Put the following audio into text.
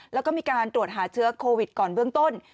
แล้วก็มีการตรวจหาเชื้อโควิดก่อนเบื้องต้น